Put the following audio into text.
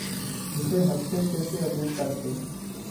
جسے ہنستے کھیلتے عبور کر کے